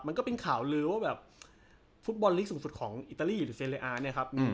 มันก็เป็นข่าวลือว่าแบบฟุตบอลลีกสูงสุดของอิตาลีหรือเซเลอาร์เนี่ยครับ